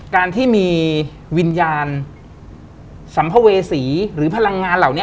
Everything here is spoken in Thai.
การที่มีวิญญาณสัมภเวษีหรือพลังงานเหล่านี้